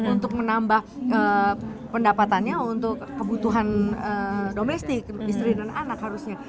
untuk menambah pendapatannya untuk kebutuhan domestik istri dan anak harusnya